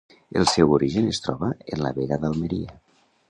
El seu origen es troba en la Vega d'Almeria.